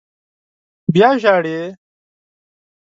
_بيا ژاړې!